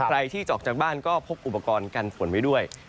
ใครที่จะออกจากบ้านก็พกอุปกรณ์กันฝนไว้ด้วย